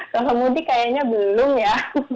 kalau mudik kayaknya belum ya